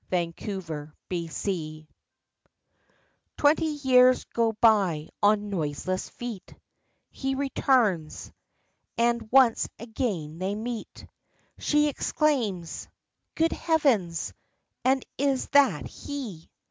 FROM THE SPANISH Twenty years go by on noiseless feet, He returns, and once again they meet, She exclaims, "Good heavens! and is that he?"